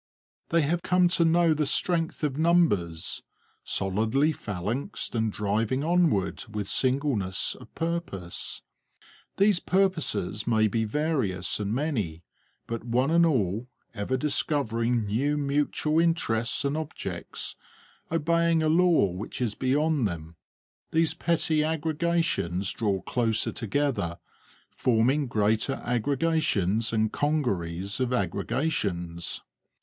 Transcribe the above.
They have come to know the strength of numbers, solidly phalanxed and driving onward with singleness of purpose. These purposes may be various and many, but one and all, ever discovering new mutual interests and objects, obeying a law which is beyond them, these petty aggregations draw closer together, forming greater aggregations and congeries of aggregations.